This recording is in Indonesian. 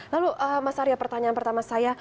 lalu mas arya pertanyaan pertama saya